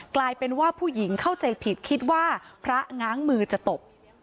กลายเป็นว่าผู้หญิงเข้าใจผิดคิดว่าพระง้างมือจะตบ